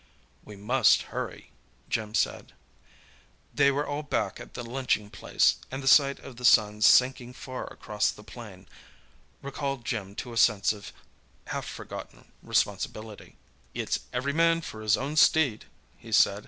"We must hurry," Jim said. They were all back at the lunching place, and the sight of the sun, sinking far across the plain, recalled Jim to a sense of half forgotten responsibility. "It's every man for his own steed," he said.